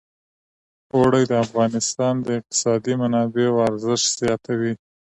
اوړي د افغانستان د اقتصادي منابعو ارزښت زیاتوي.